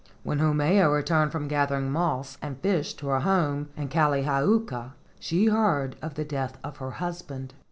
When Haumea returned from gathering moss and fish to her home in Kalihi uka, she heard of the death of her husband.